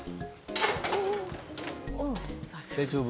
大丈夫？